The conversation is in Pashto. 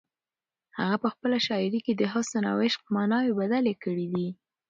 هغه په خپله شاعري کې د حسن او عشق ماناوې بدلې کړې دي.